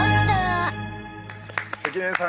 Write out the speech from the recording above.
関根さん